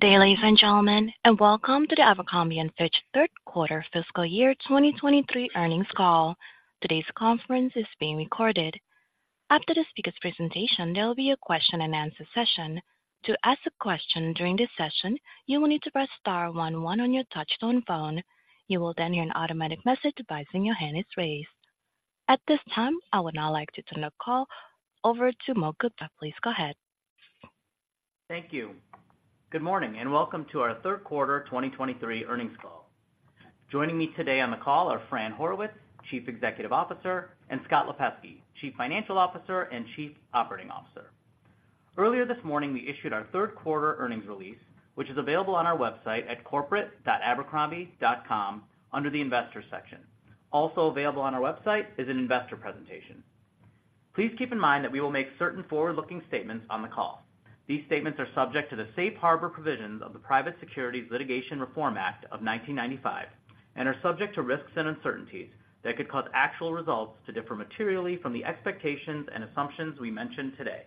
Good day, ladies and gentlemen, and welcome to the Abercrombie & Fitch Third Quarter Fiscal Year 2023 earnings call. Today's conference is being recorded. After the speaker's presentation, there will be a question-and-answer session. To ask a question during this session, you will need to press star one one on your touchtone phone. You will then hear an automatic message advising your hand is raised. At this time, I would now like to turn the call over to Mohit Gupta. Please go ahead. Thank you. Good morning, and welcome to our third quarter 2023 earnings call. Joining me today on the call are Fran Horowitz, Chief Executive Officer, and Scott Lipesky, Chief Financial Officer and Chief Operating Officer. Earlier this morning, we issued our Third Quarter earnings release, which is available on our website at corporate.abercrombie.com under the investors section. Also available on our website is an investor presentation. Please keep in mind that we will make certain forward-looking statements on the call. These statements are subject to the safe harbor provisions of the Private Securities Litigation Reform Act of 1995, and are subject to risks and uncertainties that could cause actual results to differ materially from the expectations and assumptions we mention today.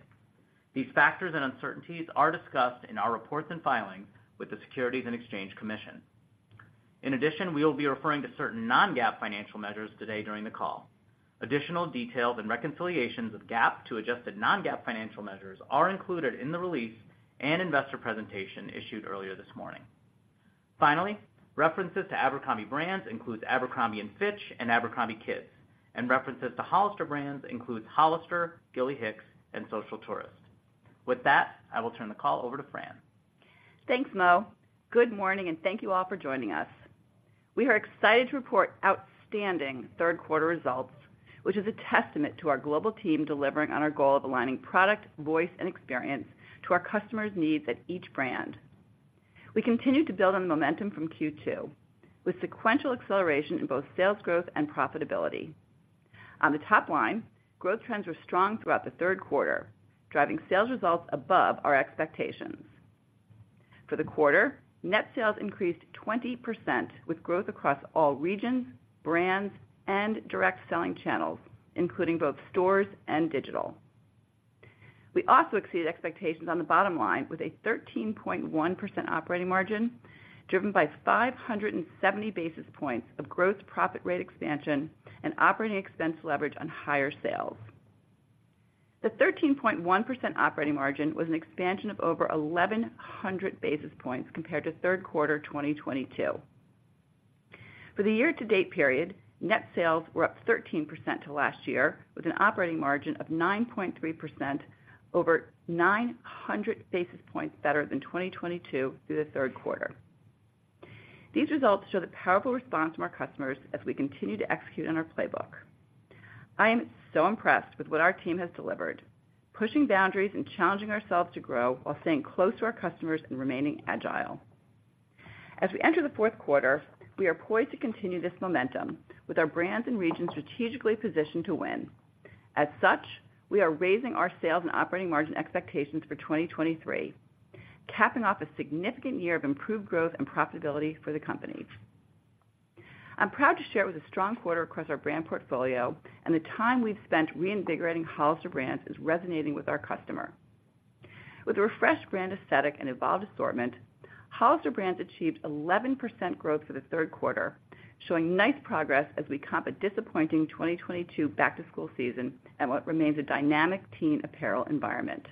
These factors and uncertainties are discussed in our reports and filings with the Securities and Exchange Commission. In addition, we will be referring to certain non-GAAP financial measures today during the call. Additional details and reconciliations of GAAP to adjusted non-GAAP financial measures are included in the release and investor presentation issued earlier this morning. Finally, references to Abercrombie brands includes Abercrombie & Fitch and Abercrombie Kids, and references to Hollister brands includes Hollister, Gilly Hicks, and Social Tourist. With that, I will turn the call over to Fran. Thanks, Mo. Good morning, and thank you all for joining us. We are excited to report outstanding third quarter results, which is a testament to our global team delivering on our goal of aligning product, voice, and experience to our customers' needs at each brand. We continued to build on the momentum from Q2, with sequential acceleration in both sales growth and profitability. On the top line, growth trends were strong throughout the third quarter, driving sales results above our expectations. For the quarter, net sales increased 20%, with growth across all regions, brands, and direct selling channels, including both stores and digital. We also exceeded expectations on the bottom line with a 13.1% operating margin, driven by 570 basis points of gross profit rate expansion and operating expense leverage on higher sales. The 13.1% operating margin was an expansion of over 1,100 basis points compared to third quarter 2022. For the year-to-date period, net sales were up 13% to last year, with an operating margin of 9.3%, over 900 basis points better than 2022 through the third quarter. These results show the powerful response from our customers as we continue to execute on our playbook. I am so impressed with what our team has delivered, pushing boundaries and challenging ourselves to grow while staying close to our customers and remaining agile. As we enter the fourth quarter, we are poised to continue this momentum with our brands and regions strategically positioned to win. As such, we are raising our sales and operating margin expectations for 2023, capping off a significant year of improved growth and profitability for the company. I'm proud to share it was a strong quarter across our brand portfolio, and the time we've spent reinvigorating Hollister brands is resonating with our customer. With a refreshed brand aesthetic and evolved assortment, Hollister brands achieved 11% growth for the third quarter, showing nice progress as we comp a disappointing 2022 back-to-school season and what remains a dynamic teen apparel environment.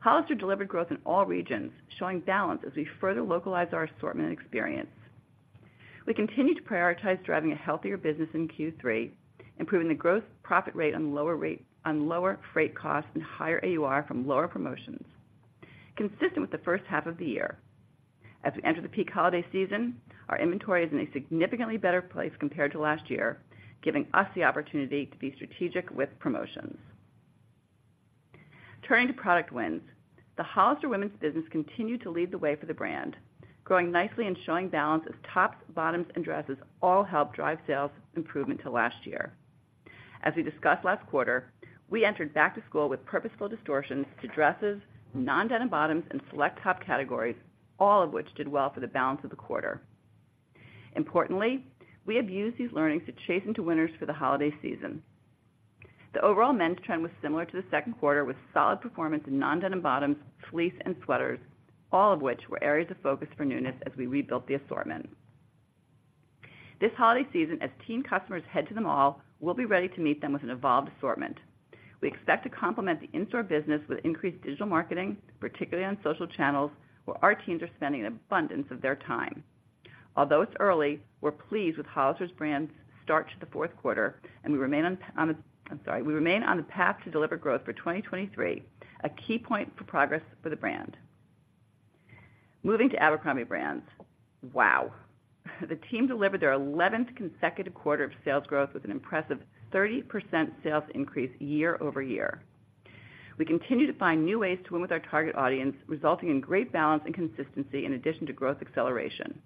Hollister delivered growth in all regions, showing balance as we further localize our assortment and experience. We continue to prioritize driving a healthier business in Q3, improving the gross profit rate on lower freight costs and higher AUR from lower promotions, consistent with the first half of the year. As we enter the peak holiday season, our inventory is in a significantly better place compared to last year, giving us the opportunity to be strategic with promotions. Turning to product wins, the Hollister women's business continued to lead the way for the brand, growing nicely and showing balance as tops, bottoms, and dresses all helped drive sales improvement to last year. As we discussed last quarter, we entered back to school with purposeful distortions to dresses, non-denim bottoms, and select top categories, all of which did well for the balance of the quarter. Importantly, we have used these learnings to chase into winners for the holiday season. The overall men's trend was similar to the second quarter, with solid performance in non-denim bottoms, fleece, and sweaters, all of which were areas of focus for newness as we rebuilt the assortment. This holiday season, as teen customers head to the mall, we'll be ready to meet them with an evolved assortment. We expect to complement the in-store business with increased digital marketing, particularly on social channels, where our teams are spending an abundance of their time. Although it's early, we're pleased with Hollister brand's start to the fourth quarter, and we remain on the path to deliver growth for 2023, a key point for progress for the brand. Moving to Abercrombie brands, wow! The team delivered their 11th consecutive quarter of sales growth with an impressive 30% sales increase year-over-year. We continue to find new ways to win with our target audience, resulting in great balance and consistency in addition to growth acceleration.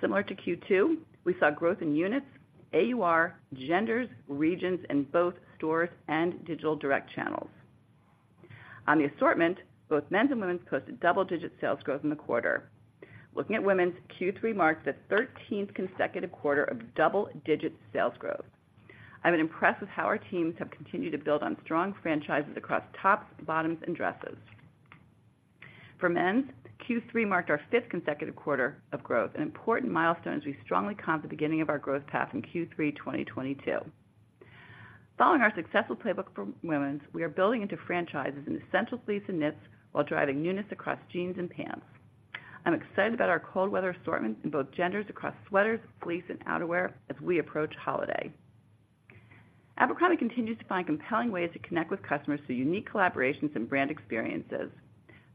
Similar to Q2, we saw growth in units, AUR, genders, regions, and both stores and digital direct channels. On the assortment, both men's and women's posted double-digit sales growth in the quarter. Looking at women's, Q3 marks the thirteenth consecutive quarter of double-digit sales growth. I've been impressed with how our teams have continued to build on strong franchises across tops, bottoms, and dresses. For men's, Q3 marked our fifth consecutive quarter of growth, an important milestone as we strongly comp the beginning of our growth path in Q3 2022. Following our successful playbook for women's, we are building into franchises in essential fleece and knits, while driving newness across jeans and pants. I'm excited about our cold weather assortment in both genders across sweaters, fleece, and outerwear as we approach holiday. Abercrombie continues to find compelling ways to connect with customers through unique collaborations and brand experiences.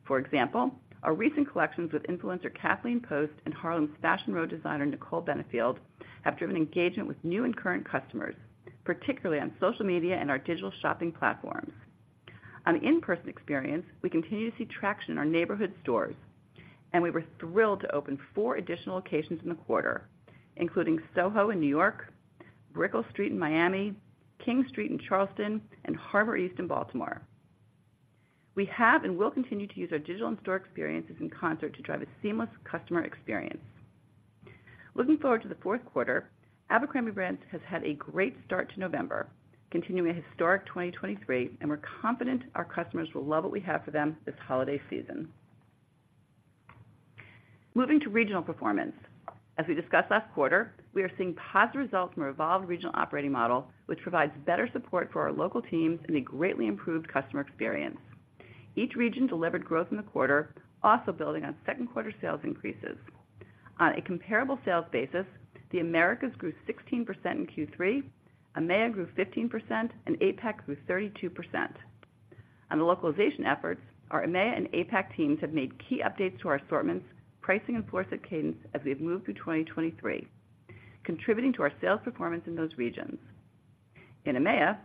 For example, our recent collections with influencer Kathleen Post and Harlem's Fashion Row designer, Nicole Benefield, have driven engagement with new and current customers, particularly on social media and our digital shopping platforms. On in-person experience, we continue to see traction in our neighborhood stores, and we were thrilled to open four additional locations in the quarter, including Soho in New York, Brickell Street in Miami, King Street in Charleston, and Harbor East in Baltimore. We have and will continue to use our digital and store experiences in concert to drive a seamless customer experience. Looking forward to the fourth quarter, Abercrombie Brands has had a great start to November, continuing a historic 2023, and we're confident our customers will love what we have for them this holiday season. Moving to regional performance. As we discussed last quarter, we are seeing positive results from our evolved regional operating model, which provides better support for our local teams and a greatly improved customer experience. Each region delivered growth in the quarter, also building on second quarter sales increases. On a comparable sales basis, the Americas grew 16% in Q3, EMEA grew 15%, and APAC grew 32%. On the localization efforts, our EMEA and APAC teams have made key updates to our assortments, pricing, and floor set cadence as we have moved through 2023, contributing to our sales performance in those regions. In EMEA,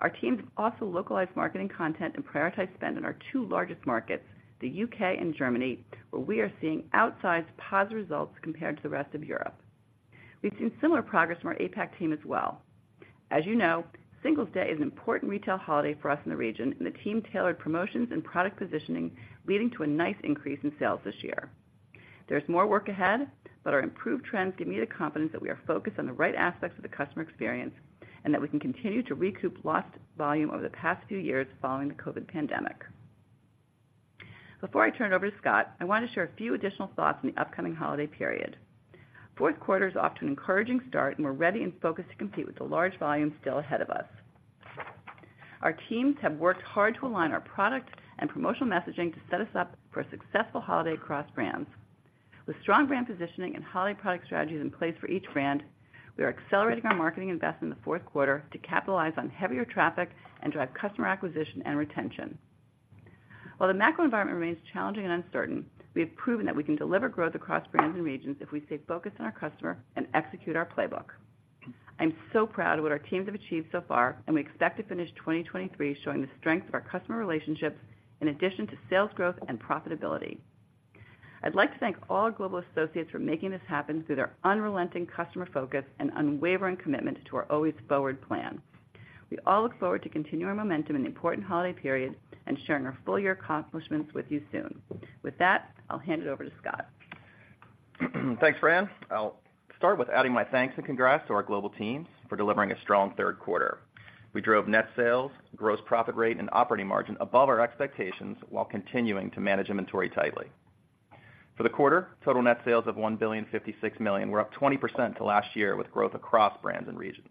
our teams have also localized marketing content and prioritized spend in our two largest markets, the UK and Germany, where we are seeing outsized positive results compared to the rest of Europe. We've seen similar progress from our APAC team as well. As you know, Singles Day is an important retail holiday for us in the region, and the team tailored promotions and product positioning, leading to a nice increase in sales this year. There's more work ahead, but our improved trends give me the confidence that we are focused on the right aspects of the customer experience, and that we can continue to recoup lost volume over the past few years following the COVID pandemic. Before I turn it over to Scott, I want to share a few additional thoughts on the upcoming holiday period. Fourth quarter is off to an encouraging start, and we're ready and focused to compete with the large volume still ahead of us. Our teams have worked hard to align our product and promotional messaging to set us up for a successful holiday across brands. With strong brand positioning and holiday product strategies in place for each brand, we are accelerating our marketing investment in the fourth quarter to capitalize on heavier traffic and drive customer acquisition and retention. While the macro environment remains challenging and uncertain, we have proven that we can deliver growth across brands and regions if we stay focused on our customer and execute our playbook. I'm so proud of what our teams have achieved so far, and we expect to finish 2023 showing the strength of our customer relationships in addition to sales growth and profitability. I'd like to thank all global associates for making this happen through their unrelenting customer focus and unwavering commitment to our Always Forward plan. We all look forward to continuing our momentum in the important holiday period and sharing our full year accomplishments with you soon. With that, I'll hand it over to Scott. Thanks, Fran. I'll start with adding my thanks and congrats to our global teams for delivering a strong third quarter. We drove net sales, gross profit rate, and operating margin above our expectations, while continuing to manage inventory tightly. For the quarter, total net sales of $1.056 billion were up 20% to last year, with growth across brands and regions.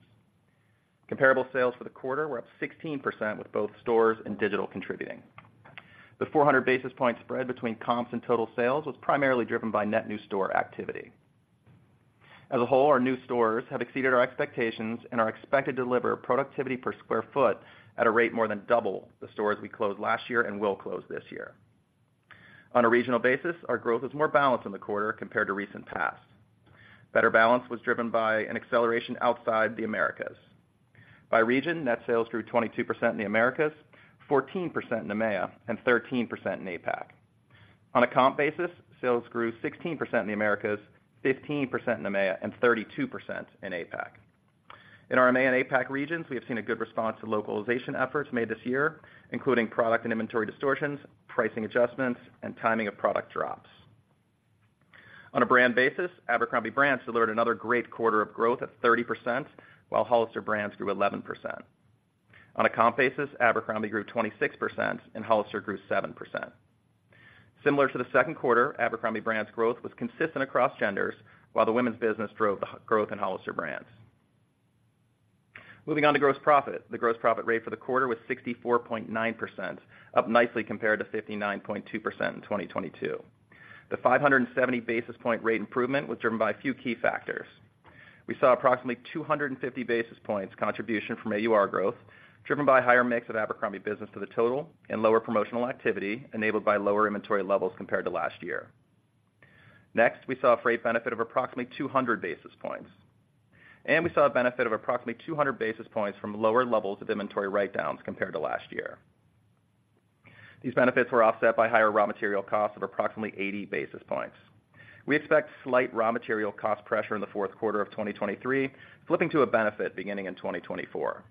Comparable sales for the quarter were up 16%, with both stores and digital contributing. The 400 basis point spread between comps and total sales was primarily driven by net new store activity. As a whole, our new stores have exceeded our expectations and are expected to deliver productivity per square foot at a rate more than double the stores we closed last year and will close this year. On a regional basis, our growth was more balanced in the quarter compared to recent past. Better balance was driven by an acceleration outside the Americas. By region, net sales grew 22% in the Americas, 14% in EMEA, and 13% in APAC. On a comp basis, sales grew 16% in the Americas, 15% in EMEA, and 32% in APAC. In our EMEA and APAC regions, we have seen a good response to localization efforts made this year, including product and inventory distortions, pricing adjustments, and timing of product drops. On a brand basis, Abercrombie Brands delivered another great quarter of growth at 30%, while Hollister Brands grew 11%. On a comp basis, Abercrombie grew 26% and Hollister grew 7%. Similar to the second quarter, Abercrombie Brands growth was consistent across genders, while the women's business drove the growth in Hollister Brands. Moving on to gross profit. The gross profit rate for the quarter was 64.9%, up nicely compared to 59.2% in 2022. The 570 basis point rate improvement was driven by a few key factors. We saw approximately 250 basis points contribution from AUR growth, driven by higher mix of Abercrombie business to the total and lower promotional activity, enabled by lower inventory levels compared to last year. Next, we saw a freight benefit of approximately 200 basis points, and we saw a benefit of approximately 200 basis points from lower levels of inventory write-downs compared to last year. These benefits were offset by higher raw material costs of approximately 80 basis points. We expect slight raw material cost pressure in the fourth quarter of 2023, flipping to a benefit beginning in 2024....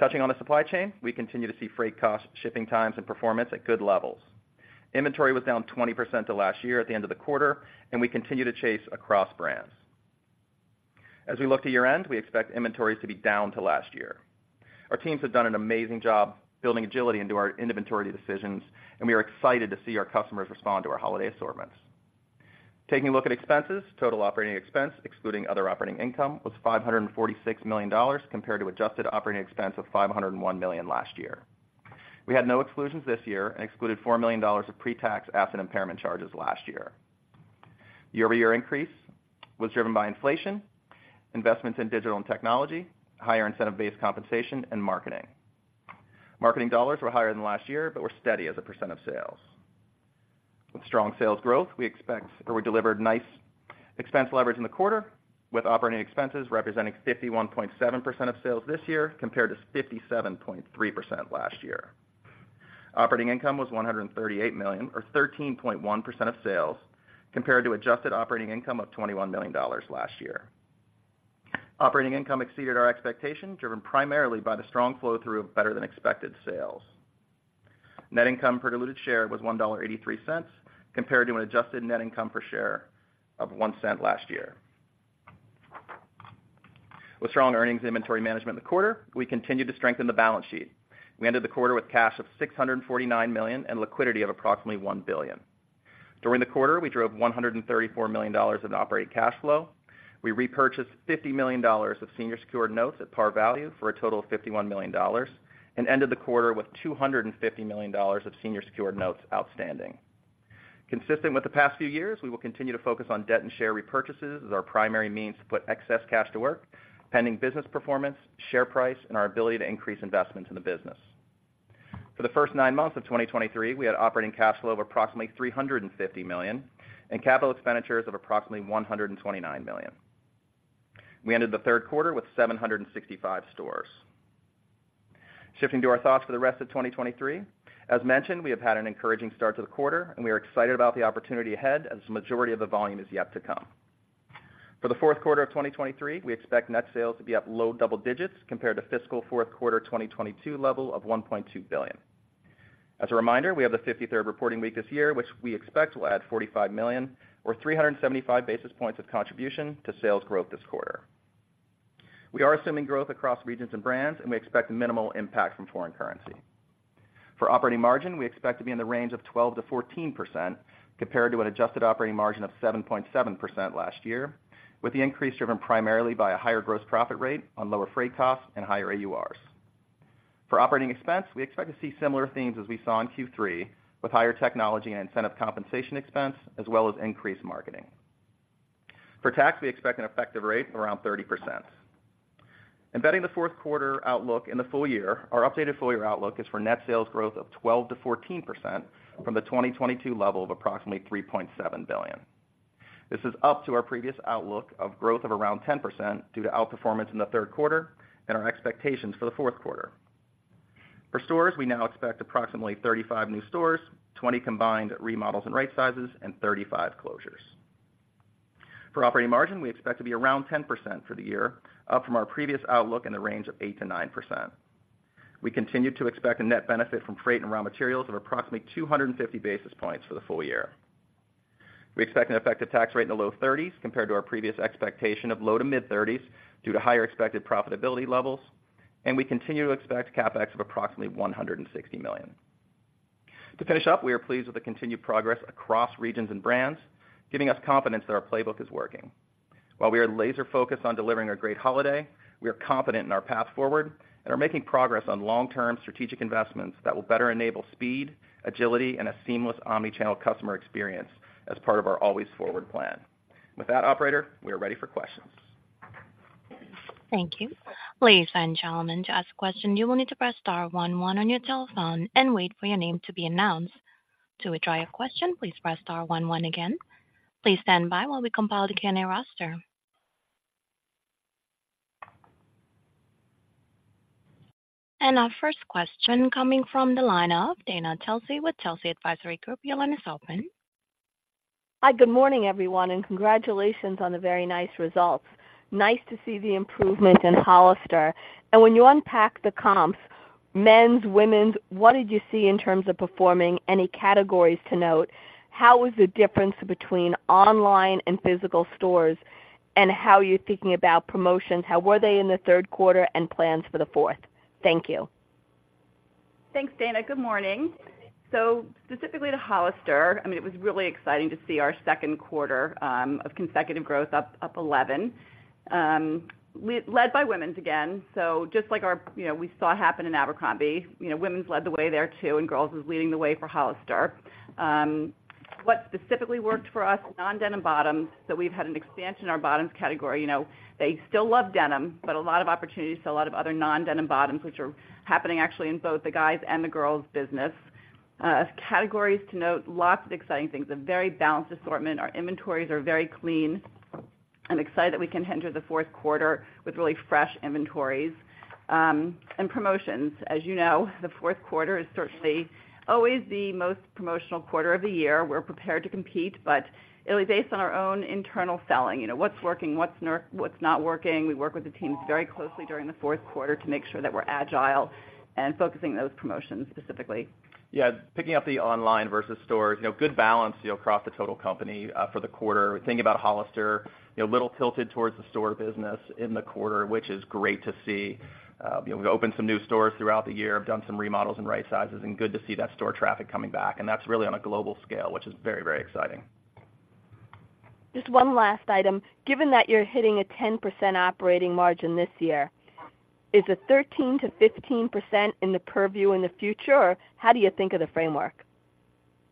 Touching on the supply chain, we continue to see freight costs, shipping times, and performance at good levels. Inventory was down 20% to last year at the end of the quarter, and we continue to chase across brands. As we look to year-end, we expect inventories to be down to last year. Our teams have done an amazing job building agility into our inventory decisions, and we are excited to see our customers respond to our holiday assortments. Taking a look at expenses, total operating expense, excluding other operating income, was $546 million, compared to adjusted operating expense of $501 million last year. We had no exclusions this year and excluded $4 million of pre-tax asset impairment charges last year. Year-over-year increase was driven by inflation, investments in digital and technology, higher incentive-based compensation, and marketing. Marketing dollars were higher than last year, but were steady as a percent of sales. With strong sales growth, we delivered nice expense leverage in the quarter, with operating expenses representing 51.7% of sales this year, compared to 57.3% last year. Operating income was $138 million, or 13.1% of sales, compared to adjusted operating income of $21 million last year. Operating income exceeded our expectation, driven primarily by the strong flow-through of better-than-expected sales. Net income per diluted share was $1.83, compared to an adjusted net income per share of $0.01 last year. With strong earnings inventory management in the quarter, we continued to strengthen the balance sheet. We ended the quarter with cash of $649 million and liquidity of approximately $1 billion. During the quarter, we drove $134 million in operating cash flow. We repurchased $50 million of senior secured notes at par value for a total of $51 million, and ended the quarter with $250 million of senior secured notes outstanding. Consistent with the past few years, we will continue to focus on debt and share repurchases as our primary means to put excess cash to work, pending business performance, share price, and our ability to increase investments in the business. For the first nine months of 2023, we had operating cash flow of approximately $350 million and capital expenditures of approximately $129 million. We ended the third quarter with 765 stores. Shifting to our thoughts for the rest of 2023, as mentioned, we have had an encouraging start to the quarter, and we are excited about the opportunity ahead as the majority of the volume is yet to come. For the fourth quarter of 2023, we expect net sales to be up low double digits compared to fiscal fourth quarter 2022 level of $1.2 billion. As a reminder, we have the 53rd reporting week this year, which we expect will add $45 million or 375 basis points of contribution to sales growth this quarter. We are assuming growth across regions and brands, and we expect minimal impact from foreign currency. For operating margin, we expect to be in the range of 12%-14%, compared to an adjusted operating margin of 7.7% last year, with the increase driven primarily by a higher gross profit rate on lower freight costs and higher AURs. For operating expense, we expect to see similar themes as we saw in Q3, with higher technology and incentive compensation expense, as well as increased marketing. For tax, we expect an effective rate around 30%. Embedding the fourth quarter outlook in the full year, our updated full year outlook is for net sales growth of 12%-14% from the 2022 level of approximately $3.7 billion. This is up to our previous outlook of growth of around 10% due to outperformance in the third quarter and our expectations for the fourth quarter. For stores, we now expect approximately 35 new stores, 20 combined remodels and right-sizes, and 35 closures. For operating margin, we expect to be around 10% for the year, up from our previous outlook in the range of 8%-9%. We continue to expect a net benefit from freight and raw materials of approximately 250 basis points for the full year. We expect an effective tax rate in the low 30s% compared to our previous expectation of low-to-mid 30s% due to higher expected profitability levels, and we continue to expect CapEx of approximately $160 million. To finish up, we are pleased with the continued progress across regions and brands, giving us confidence that our playbook is working. While we are laser focused on delivering a great holiday, we are confident in our path forward and are making progress on long-term strategic investments that will better enable speed, agility, and a seamless omni-channel customer experience as part of our Always Forward plan. With that, operator, we are ready for questions. Thank you. Ladies and gentlemen, to ask a question, you will need to press star one one on your telephone and wait for your name to be announced. To withdraw your question, please press star one one again. Please stand by while we compile the Q&A roster. Our first question coming from the line of Dana Telsey with Telsey Advisory Group. Your line is open. Hi, good morning, everyone, and congratulations on the very nice results. Nice to see the improvement in Hollister. When you unpack the comps, men's, women's, what did you see in terms of performing any categories to note? How was the difference between online and physical stores, and how are you thinking about promotions? How were they in the third quarter and plans for the fourth? Thank you. Thanks, Dana. Good morning. So specifically to Hollister, I mean, it was really exciting to see our second quarter of consecutive growth up 11%, led by women's again. So just like our—you know, we saw happen in Abercrombie, you know, women's led the way there, too, and girls was leading the way for Hollister. What specifically worked for us, non-denim bottoms, so we've had an expansion in our bottoms category. You know, they still love denim, but a lot of opportunities to a lot of other non-denim bottoms, which are happening actually in both the guys and the girls business. Categories to note, lots of exciting things, a very balanced assortment. Our inventories are very clean. ... I'm excited that we can enter the fourth quarter with really fresh inventories, and promotions. As you know, the fourth quarter is certainly always the most promotional quarter of the year. We're prepared to compete, but it'll be based on our own internal selling. You know, what's working? What's not working? We work with the teams very closely during the fourth quarter to make sure that we're agile and focusing those promotions specifically. Yeah, picking up the online versus stores, you know, good balance, you know, across the total company, for the quarter. Thinking about Hollister, you know, a little tilted towards the store business in the quarter, which is great to see. You know, we've opened some new stores throughout the year, have done some remodels and right sizes, and good to see that store traffic coming back, and that's really on a global scale, which is very, very exciting. Just one last item. Given that you're hitting a 10% operating margin this year, is a 13%-15% in the purview in the future, or how do you think of the framework?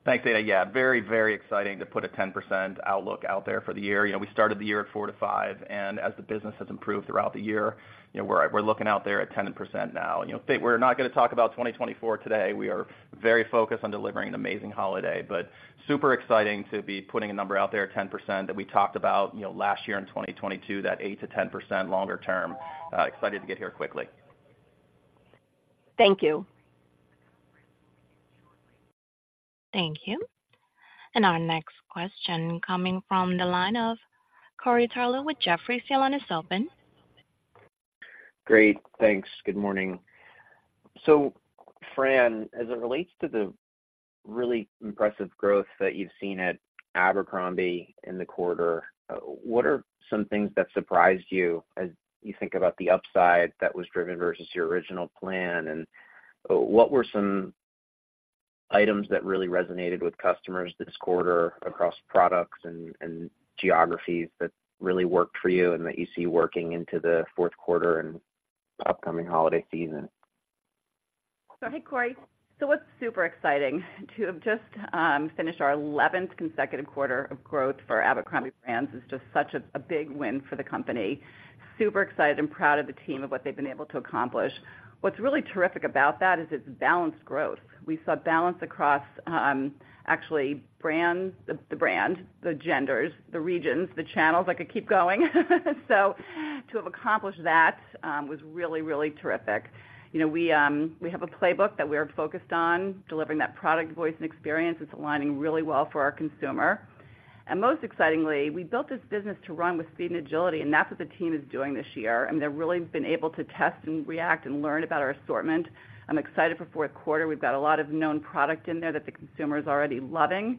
Thanks, Dana. Yeah, very, very exciting to put a 10% outlook out there for the year. You know, we started the year at 4-5, and as the business has improved throughout the year, you know, we're looking out there at 10% now. You know, we're not gonna talk about 2024 today. We are very focused on delivering an amazing holiday, but super exciting to be putting a number out there at 10% that we talked about, you know, last year in 2022, that 8%-10% longer term. Excited to get here quickly. Thank you. Thank you. Our next question coming from the line of Corey Tarlowe with Jefferies. Your line is open. Great. Thanks. Good morning. So Fran, as it relates to the really impressive growth that you've seen at Abercrombie in the quarter, what are some things that surprised you as you think about the upside that was driven versus your original plan? And, what were some items that really resonated with customers this quarter across products and, and geographies that really worked for you and that you see working into the fourth quarter and upcoming holiday season? Hey, Corey. What's super exciting to have just finished our eleventh consecutive quarter of growth for Abercrombie Brands is just such a big win for the company. Super excited and proud of the team of what they've been able to accomplish. What's really terrific about that is it's balanced growth. We saw balance across actually brands, the genders, the regions, the channels. I could keep going. To have accomplished that was really, really terrific. You know, we have a playbook that we are focused on, delivering that product, voice, and experience. It's aligning really well for our consumer. And most excitingly, we built this business to run with speed and agility, and that's what the team is doing this year. And they've really been able to test and react and learn about our assortment. I'm excited for fourth quarter. We've got a lot of known product in there that the consumer is already loving.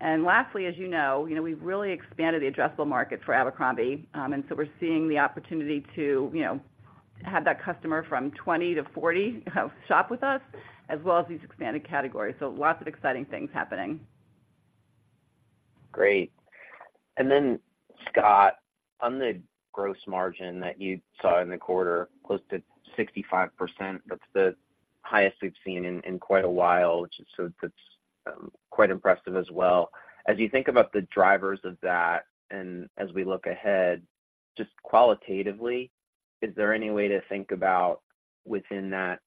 And lastly, as you know, you know, we've really expanded the addressable market for Abercrombie. And so we're seeing the opportunity to, you know, have that customer from 20 to 40, you know, shop with us, as well as these expanded categories. So lots of exciting things happening. Great. And then, Scott, on the gross margin that you saw in the quarter, close to 65%, that's the highest we've seen in quite a while, which is so that's quite impressive as well. As you think about the drivers of that and as we look ahead, just qualitatively, is there any way to think about within that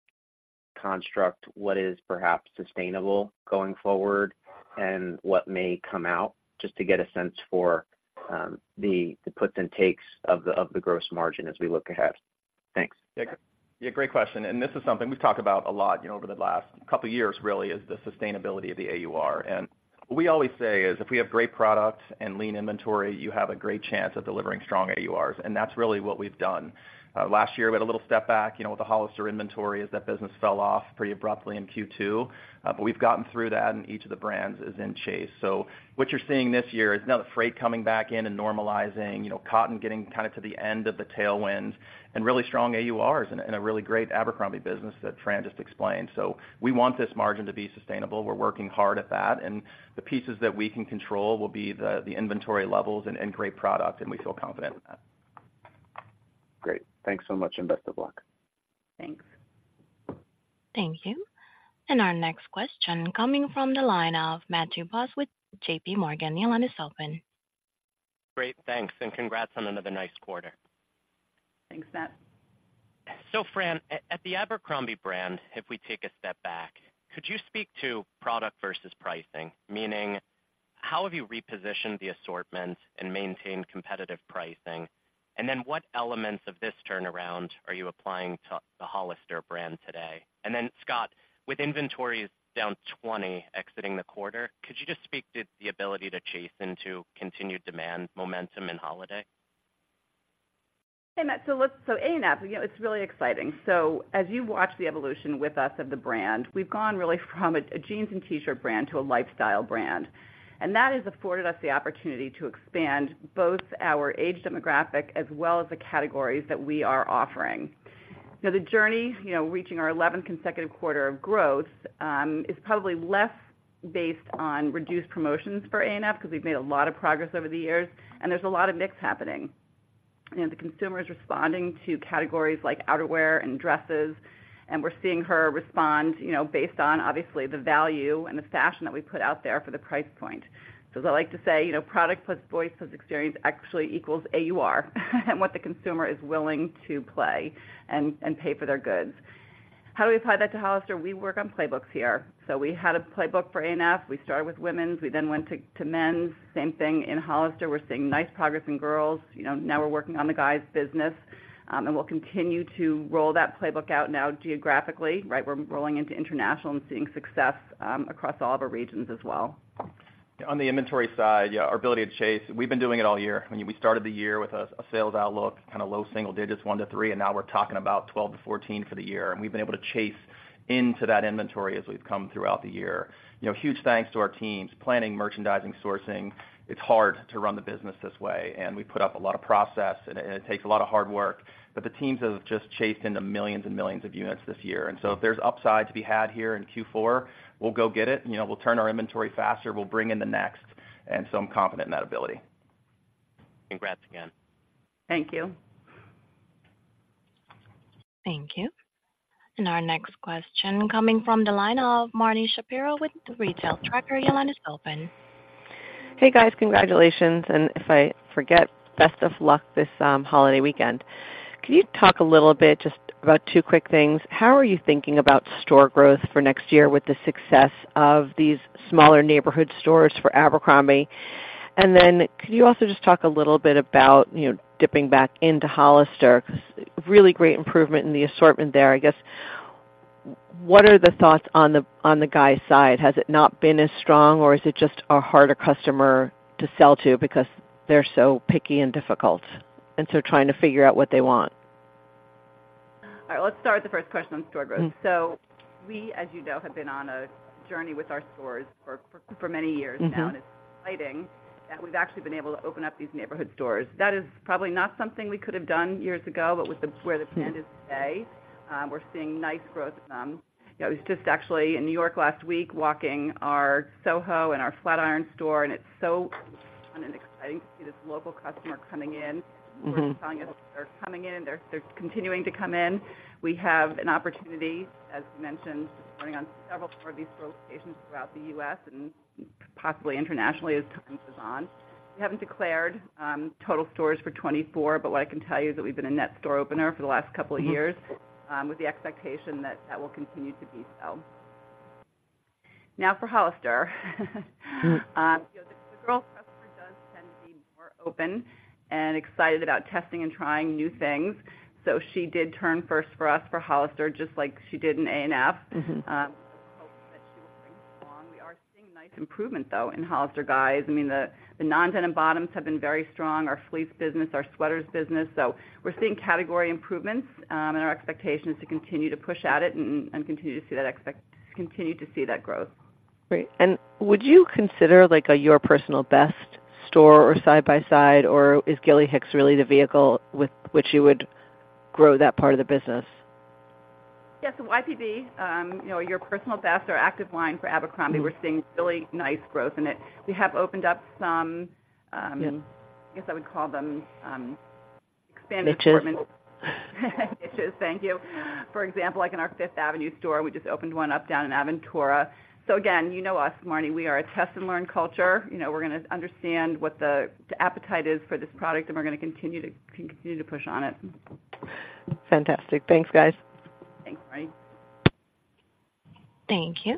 construct what is perhaps sustainable going forward and what may come out, just to get a sense for the puts and takes of the gross margin as we look ahead? Thanks. Yeah. Yeah, great question, and this is something we've talked about a lot, you know, over the last couple of years, really, is the sustainability of the AUR. And what we always say is, if we have great product and lean inventory, you have a great chance of delivering strong AURs, and that's really what we've done. Last year, we had a little step back, you know, with the Hollister inventory as that business fell off pretty abruptly in Q2. But we've gotten through that, and each of the brands is in chase. So what you're seeing this year is now the freight coming back in and normalizing, you know, cotton getting kinda to the end of the tailwinds and really strong AURs and a, and a really great Abercrombie business that Fran just explained. So we want this margin to be sustainable. We're working hard at that, and the pieces that we can control will be the inventory levels and great product, and we feel confident in that. Great. Thanks so much, and best of luck. Thanks. Thank you. Our next question coming from the line of Matthew Boss with JPMorgan. Your line is open. Great, thanks, and congrats on another nice quarter. Thanks, Matt. So, Fran, at the Abercrombie brand, if we take a step back, could you speak to product versus pricing? Meaning, how have you repositioned the assortment and maintained competitive pricing? And then what elements of this turnaround are you applying to the Hollister brand today? And then, Scott, with inventories down 20 exiting the quarter, could you just speak to the ability to chase into continued demand, momentum, and holiday? Hey, Matt, so A&F, you know, it's really exciting. So as you watch the evolution with us of the brand, we've gone really from a jeans and T-shirt brand to a lifestyle brand. And that has afforded us the opportunity to expand both our age demographic as well as the categories that we are offering. Now, the journey, you know, reaching our eleventh consecutive quarter of growth is probably less based on reduced promotions for A&F, because we've made a lot of progress over the years, and there's a lot of mix happening. You know, the consumer is responding to categories like outerwear and dresses, and we're seeing her respond, you know, based on, obviously, the value and the fashion that we put out there for the price point. So as I like to say, you know, product plus voice plus experience actually equals AUR, and what the consumer is willing to play and pay for their goods. How do we apply that to Hollister? We work on playbooks here. So we had a playbook for A&F. We started with women's, we then went to men's. Same thing in Hollister. We're seeing nice progress in girls. You know, now we're working on the guys business, and we'll continue to roll that playbook out now geographically, right? We're rolling into international and seeing success across all of our regions as well. On the inventory side, yeah, our ability to chase, we've been doing it all year. I mean, we started the year with a sales outlook, kinda low single digits, 1-3, and now we're talking about 12-14 for the year. And we've been able to chase into that inventory as we've come throughout the year. You know, huge thanks to our teams, planning, merchandising, sourcing. It's hard to run the business this way, and we put up a lot of process, and it takes a lot of hard work. But the teams have just chased into millions and millions of units this year. And so if there's upside to be had here in Q4, we'll go get it. You know, we'll turn our inventory faster. We'll bring in the next, and so I'm confident in that ability. Congrats again. Thank you. Thank you. Our next question coming from the line of Marni Shapiro with The Retail Tracker. Your line is open. Hey, guys, congratulations, and if I forget, best of luck this holiday weekend. Can you talk a little bit just about two quick things? How are you thinking about store growth for next year with the success of these smaller neighborhood stores for Abercrombie? And then could you also just talk a little bit about, you know, dipping back into Hollister? 'Cause really great improvement in the assortment there. I guess, what are the thoughts on the guys' side? Has it not been as strong, or is it just a harder customer to sell to because they're so picky and difficult, and so trying to figure out what they want? All right, let's start with the first question on store growth. Mm-hmm. So we, as you know, have been on a journey with our stores for many years now. Mm-hmm... and it's exciting that we've actually been able to open up these neighborhood stores. That is probably not something we could have done years ago, but with the- Mm... where the brand is today, we're seeing nice growth in them. I was just actually in New York last week walking our Soho and our Flatiron store, and it's so fun and exciting to see this local customer coming in. Mm-hmm. telling us they're coming in. They're, they're continuing to come in. We have an opportunity, as mentioned, running on several more of these locations throughout the U.S. and possibly internationally as time goes on. We haven't declared total stores for 2024, but what I can tell you is that we've been a net store opener for the last couple of years. Mm-hmm... with the expectation that that will continue to be so. Now for Hollister. Mm. You know, the girl customer does tend to be more open and excited about testing and trying new things. So she did turn first for us for Hollister, just like she did in A&F. Mm-hmm. Hope that she will bring along. We are seeing nice improvement, though, in Hollister guys. I mean, the non-denim bottoms have been very strong, our fleece business, our sweaters business. So we're seeing category improvements, and our expectation is to continue to push at it and continue to see that growth. Great. Would you consider, like, a Your Personal Best store or side by side, or is Gilly Hicks really the vehicle with which you would grow that part of the business? Yes, so YPB, you know, Your Personal Best, our active line for Abercrombie- Mm-hmm... we're seeing really nice growth in it. We have opened up some, Yeah... I guess I would call them, expanded assortment. Niches. Marni, thank you. For example, like in our Fifth Avenue store, we just opened one up down in Aventura. So again, you know us, Marni, we are a test and learn culture. You know, we're gonna understand what the appetite is for this product, and we're gonna continue to push on it. Fantastic. Thanks, guys. Thanks, Marni. Thank you.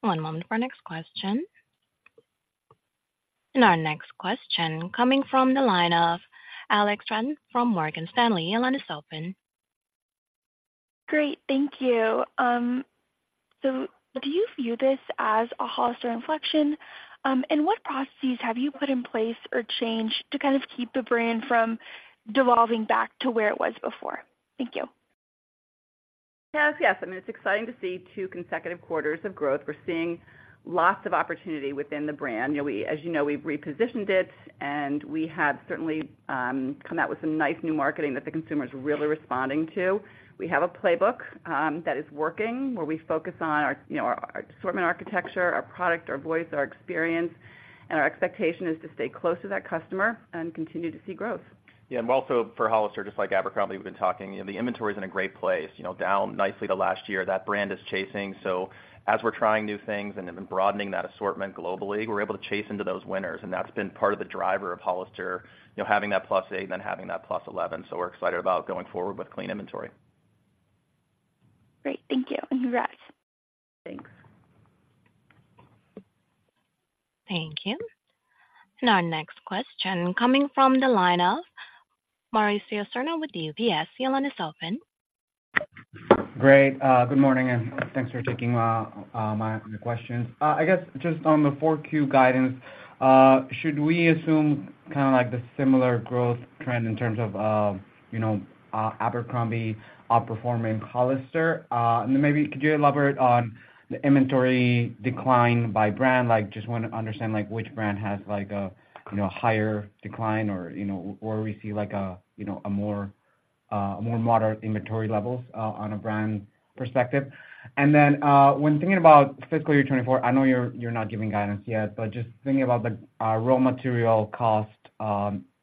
One moment for our next question. Our next question coming from the line of Alex Straton from Morgan Stanley. Your line is open. Great. Thank you. So do you view this as a Hollister inflection? And what processes have you put in place or changed to kind of keep the brand from devolving back to where it was before? Thank you. Yes, yes. I mean, it's exciting to see two consecutive quarters of growth. We're seeing lots of opportunity within the brand. You know, we—as you know, we've repositioned it, and we have certainly come out with some nice new marketing that the consumer is really responding to. We have a playbook that is working, where we focus on our, you know, our assortment architecture, our product, our voice, our experience, and our expectation is to stay close to that customer and continue to see growth. Yeah, and also for Hollister, just like Abercrombie, we've been talking, you know, the inventory's in a great place, you know, down nicely to last year. That brand is chasing, so as we're trying new things and then broadening that assortment globally, we're able to chase into those winners, and that's been part of the driver of Hollister, you know, having that +8 and then having that +11. So we're excited about going forward with clean inventory. Great. Thank you, and congrats. Thanks. Thank you. Our next question coming from the line of Mauricio Serna with UBS. Your line is open. Great, good morning, and thanks for taking my questions. I guess just on the 4Q guidance, should we assume kinda like the similar growth trend in terms of, you know, Abercrombie outperforming Hollister? And then maybe could you elaborate on the inventory decline by brand? Like, just want to understand, like, which brand has, like, a, you know, higher decline or, you know, or we see like a, you know, a more moderate inventory levels, on a brand perspective. And then, when thinking about fiscal year 2024, I know you're not giving guidance yet, but just thinking about the raw material cost,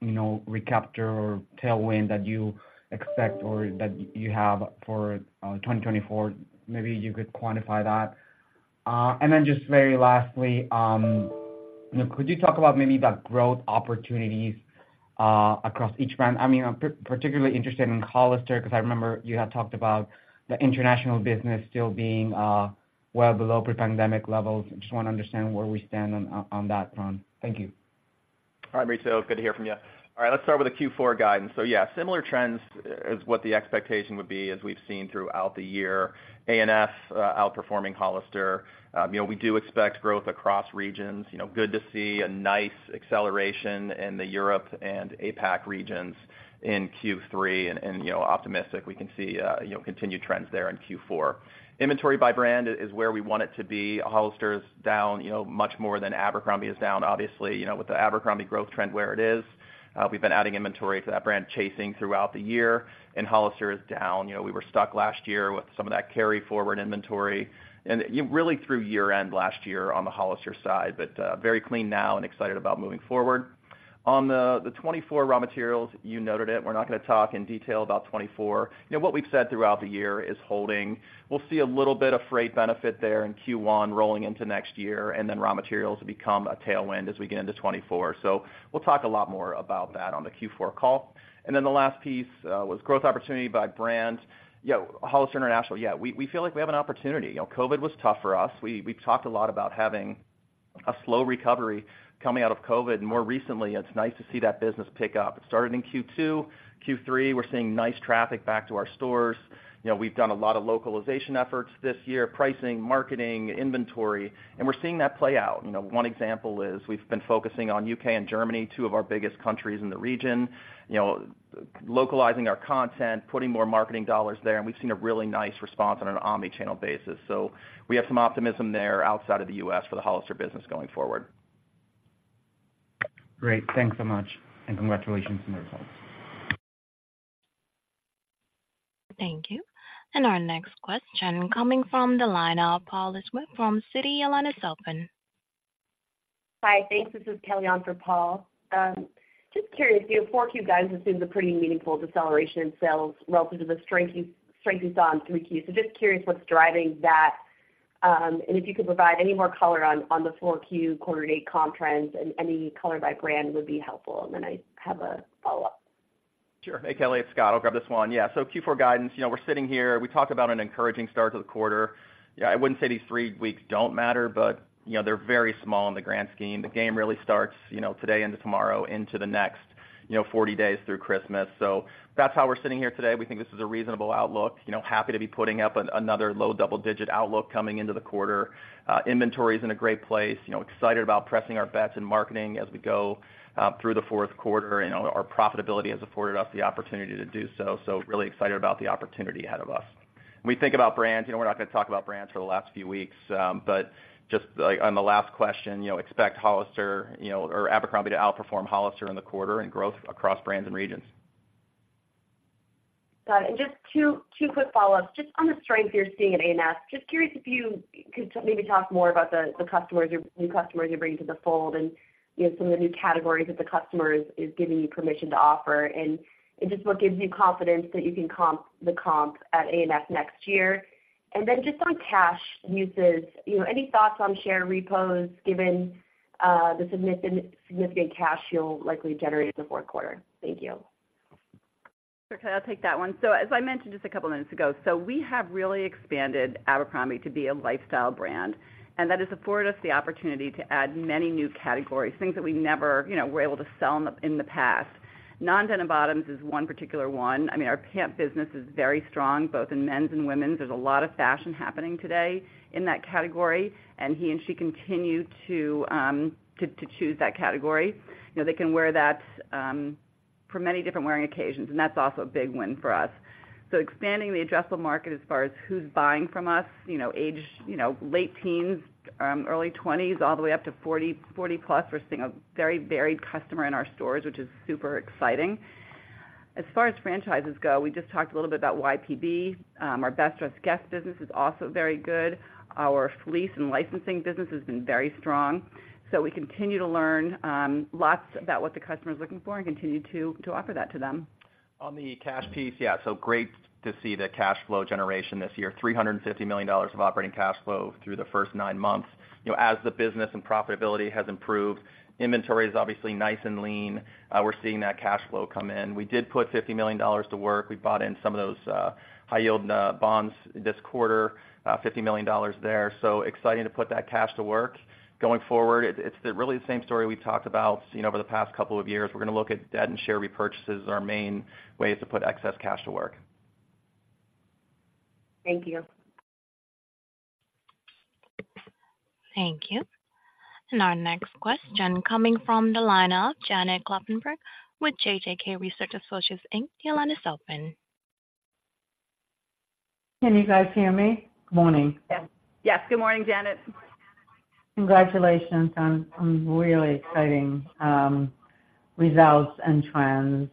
you know, recapture or tailwind that you expect or that you have for 2024, maybe you could quantify that. And then just very lastly,... Could you talk about maybe the growth opportunities across each brand? I mean, I'm particularly interested in Hollister, because I remember you had talked about the international business still being well below pre-pandemic levels. I just want to understand where we stand on that front. Thank you. Hi, Mauricio, good to hear from you. All right, let's start with the Q4 guidance. So yeah, similar trends is what the expectation would be as we've seen throughout the year. A&F outperforming Hollister. You know, we do expect growth across regions, you know, good to see a nice acceleration in the Europe and APAC regions in Q3, and you know, optimistic, we can see you know, continued trends there in Q4. Inventory by brand is where we want it to be. Hollister is down, you know, much more than Abercrombie is down. Obviously, you know, with the Abercrombie growth trend where it is, we've been adding inventory to that brand, chasing throughout the year, and Hollister is down. You know, we were stuck last year with some of that carry-forward inventory, and really through year end last year on the Hollister side, but very clean now and excited about moving forward. On the 2024 raw materials, you noted it, we're not gonna talk in detail about 2024. You know, what we've said throughout the year is holding. We'll see a little bit of freight benefit there in Q1, rolling into next year, and then raw materials become a tailwind as we get into 2024. So we'll talk a lot more about that on the Q4 call. And then the last piece was growth opportunity by brand. Yeah, Hollister International, yeah, we feel like we have an opportunity. You know, COVID was tough for us. We've talked a lot about having a slow recovery coming out of COVID, and more recently, it's nice to see that business pick up. It started in Q2. Q3, we're seeing nice traffic back to our stores. You know, we've done a lot of localization efforts this year, pricing, marketing, inventory, and we're seeing that play out. You know, one example is we've been focusing on U.K. and Germany, two of our biggest countries in the region, you know, localizing our content, putting more marketing dollars there, and we've seen a really nice response on an omni-channel basis. So we have some optimism there outside of the U.S. for the Hollister business going forward. Great. Thanks so much, and congratulations on the results. Thank you. And our next question coming from the line of Paul Lejuez from Citi. Your line is open. Hi. Thanks. This is Kelly on for Paul. Just curious, your 4Q guidance assumes a pretty meaningful deceleration in sales relative to the strength you, strength you saw in 3Q. So just curious what's driving that, and if you could provide any more color on, on the 4Q quarter to date comp trends, and any color by brand would be helpful. And then I have a follow-up. Sure. Hey, Kelly, it's Scott. I'll grab this one. Yeah, so Q4 guidance, you know, we're sitting here. We talked about an encouraging start to the quarter. Yeah, I wouldn't say these three weeks don't matter, but, you know, they're very small in the grand scheme. The game really starts, you know, today into tomorrow, into the next, you know, 40 days through Christmas. So that's how we're sitting here today. We think this is a reasonable outlook. You know, happy to be putting up another low double-digit outlook coming into the quarter. Inventory is in a great place. You know, excited about pressing our bets in marketing as we go through the fourth quarter, and, you know, our profitability has afforded us the opportunity to do so. So really excited about the opportunity ahead of us. When we think about brands, you know, we're not gonna talk about brands for the last few weeks, but just, like, on the last question, you know, expect Hollister, you know, or Abercrombie to outperform Hollister in the quarter in growth across brands and regions. Got it. And just two quick follow-ups. Just on the strength you're seeing at A&F, just curious if you could maybe talk more about the customers or new customers you're bringing to the fold and, you know, some of the new categories that the customer is giving you permission to offer. And just what gives you confidence that you can comp the comp at ANF next year? And then just on cash uses, you know, any thoughts on share repos, given the significant cash you'll likely generate in the fourth quarter? Thank you. Sure, Kelly, I'll take that one. So as I mentioned just a couple minutes ago, so we have really expanded Abercrombie to be a lifestyle brand, and that has afforded us the opportunity to add many new categories, things that we never, you know, were able to sell in the, in the past. Non-denim bottoms is one particular one. I mean, our pant business is very strong, both in men's and women's. There's a lot of fashion happening today in that category, and he and she continue to choose that category. You know, they can wear that for many different wearing occasions, and that's also a big win for us. So expanding the addressable market as far as who's buying from us, you know, age, you know, late teens, early twenties, all the way up to 40, 40+. We're seeing a very varied customer in our stores, which is super exciting. As far as franchises go, we just talked a little bit about YPB. Our Best Dressed Guest business is also very good. Our fleece and licensing business has been very strong. So we continue to learn lots about what the customer is looking for and continue to offer that to them. On the cash piece, yeah, so great to see the cash flow generation this year, $350 million of operating cash flow through the first nine months. You know, as the business and profitability has improved, inventory is obviously nice and lean. We're seeing that cash flow come in. We did put $50 million to work. We bought in some of those high yield bonds this quarter, $50 million there. So exciting to put that cash to work. Going forward, it's really the same story we've talked about, you know, over the past couple of years. We're gonna look at debt and share repurchases as our main ways to put excess cash to work. Thank you. Thank you. And our next question coming from the line of Janet Kloppenburg with JJK Research Associates Inc your line is open. Can you guys hear me? Morning. Yes. Yes. Good morning, Janet. Congratulations on really exciting results and trends.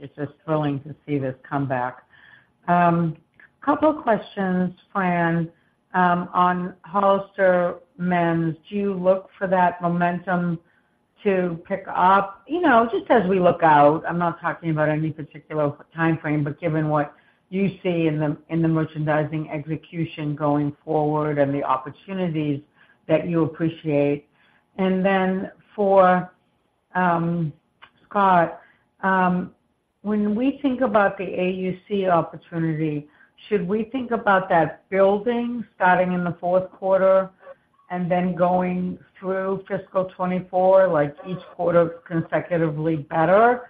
It's just thrilling to see this comeback. Couple questions, Fran. On Hollister Men's, do you look for that momentum?... to pick up, you know, just as we look out, I'm not talking about any particular timeframe, but given what you see in the merchandising execution going forward and the opportunities that you appreciate. And then for Scott, when we think about the AUC opportunity, should we think about that building starting in the fourth quarter and then going through fiscal 2024, like each quarter, consecutively better,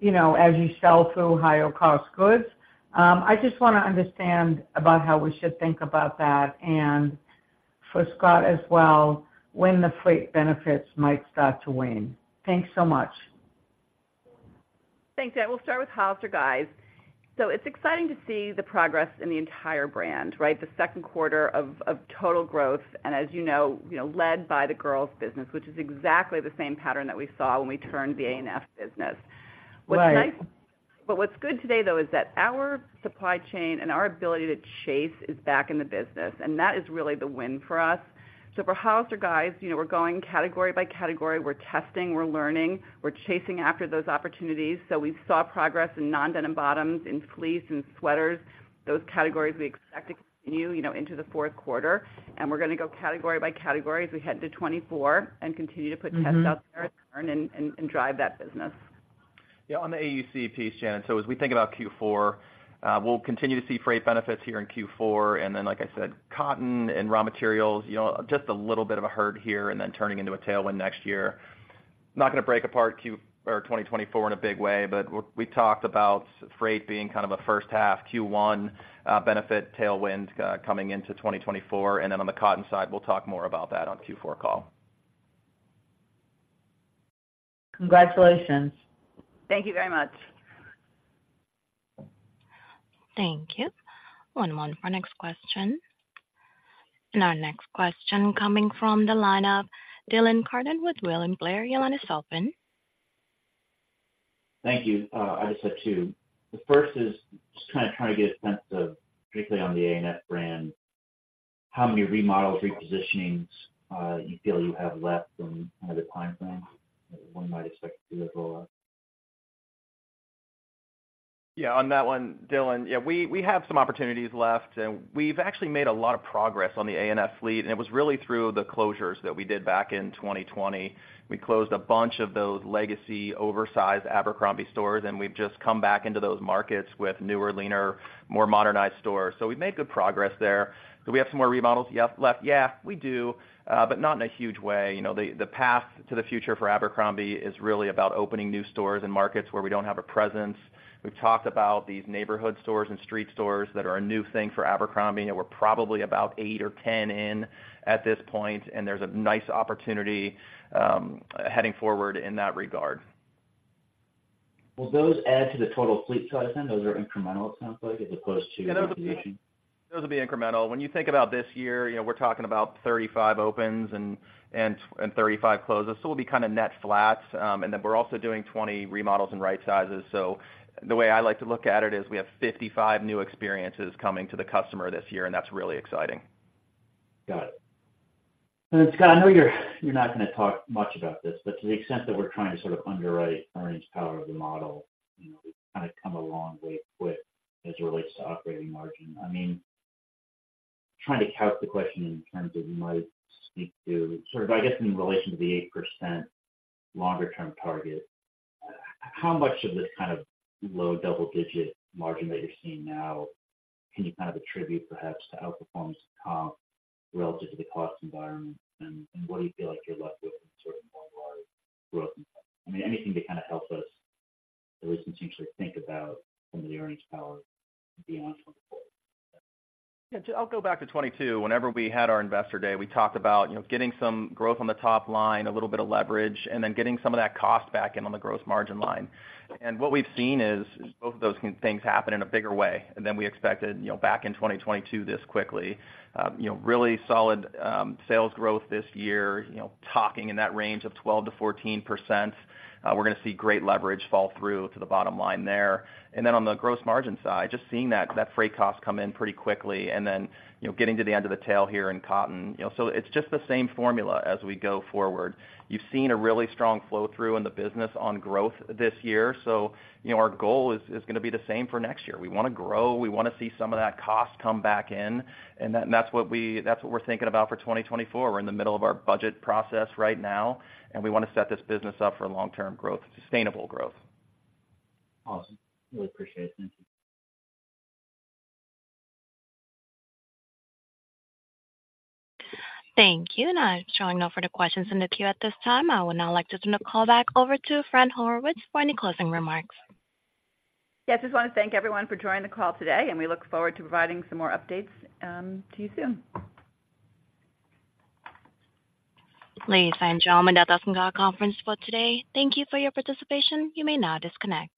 you know, as you sell through higher cost goods? I just wanna understand about how we should think about that, and for Scott as well, when the fleet benefits might start to wane. Thanks so much. Thanks, yeah. We'll start with Hollister Guys. So it's exciting to see the progress in the entire brand, right? The second quarter of total growth, and as you know, you know, led by the girls business, which is exactly the same pattern that we saw when we turned the A&F business. Right. What's good today, though, is that our supply chain and our ability to chase is back in the business, and that is really the win for us. So for Hollister Guys, you know, we're going category by category. We're testing, we're learning, we're chasing after those opportunities. So we saw progress in non-denim bottoms, in fleece and sweaters. Those categories we expect to continue, you know, into the fourth quarter, and we're gonna go category by category as we head to 2024 and continue to put tests out there. Mm-hmm and drive that business. Yeah, on the AUC piece, Janet, so as we think about Q4, we'll continue to see freight benefits here in Q4. And then, like I said, cotton and raw materials, you know, just a little bit of a hurt here and then turning into a tailwind next year. Not gonna break apart Q4 or 2024 in a big way, but we, we talked about freight being kind of a first half Q1 benefit tailwind coming into 2024. And then on the cotton side, we'll talk more about that on Q4 call. Congratulations. Thank you very much. Thank you. One moment for our next question. Our next question coming from the line of Dylan Carden with William Blair. Your line is open. Thank you. I just have two. The first is just kinda trying to get a sense of, particularly on the A&F brand, how many remodels, repositionings, you feel you have left and the timeframe one might expect to see as well? Yeah, on that one, Dylan, yeah, we have some opportunities left, and we've actually made a lot of progress on the A&F fleet, and it was really through the closures that we did back in 2020. We closed a bunch of those legacy, oversized Abercrombie stores, and we've just come back into those markets with newer, leaner, more modernized stores. So we've made good progress there. Do we have some more remodels left? Yeah, we do, but not in a huge way. You know, the path to the future for Abercrombie is really about opening new stores in markets where we don't have a presence. We've talked about these neighborhood stores and street stores that are a new thing for Abercrombie, and we're probably about eight or 10 in at this point, and there's a nice opportunity heading forward in that regard. Will those add to the total fleet size then? Those are incremental, it sounds like, as opposed to- Those will be incremental. When you think about this year, you know, we're talking about 35 opens and 35 closes, so we'll be kinda net flats. And then we're also doing 20 remodels and right sizes. So the way I like to look at it is we have 55 new experiences coming to the customer this year, and that's really exciting. Got it. And Scott, I know you're not gonna talk much about this, but to the extent that we're trying to sort of underwrite earnings power of the model, you know, we've kinda come a long way quick as it relates to operating margin. I mean, trying to couch the question in terms of you might speak to, sort of, I guess, in relation to the 8% longer term target, how much of this kind of low double-digit margin that you're seeing now, can you kind of attribute perhaps to outperformance comp relative to the cost environment? And what do you feel like you're left with in sort of more growth? I mean, anything to kinda help us at least intuitively think about some of the earnings power beyond 2024. Yeah, I'll go back to 2022. Whenever we had our Investor Day, we talked about, you know, getting some growth on the top line, a little bit of leverage, and then getting some of that cost back in on the gross margin line. And what we've seen is both of those things happen in a bigger way than we expected, you know, back in 2022 this quickly. You know, really solid sales growth this year. You know, talking in that range of 12%-14%, we're gonna see great leverage fall through to the bottom line there. And then on the gross margin side, just seeing that freight cost come in pretty quickly, and then, you know, getting to the end of the tail here in cotton. You know, so it's just the same formula as we go forward. You've seen a really strong flow-through in the business on growth this year, so, you know, our goal is, is gonna be the same for next year. We wanna grow, we wanna see some of that cost come back in, and that, and that's what we're thinking about for 2024. We're in the middle of our budget process right now, and we wanna set this business up for long-term growth, sustainable growth. Awesome. Really appreciate it. Thank you. Thank you. I'm showing no further questions in the queue at this time. I would now like to turn the call back over to Fran Horowitz for any closing remarks. Yeah, I just wanna thank everyone for joining the call today, and we look forward to providing some more updates to you soon. Ladies and gentlemen, that does end our conference call today. Thank you for your participation. You may now disconnect.